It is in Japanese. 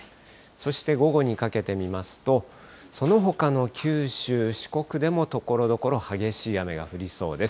そして午後にかけて見ますと、そのほかの九州、四国でも、ところどころ激しい雨が降りそうです。